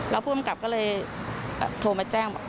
แล้วผู้กำกับก็เลยโทรมาแจ้งบอก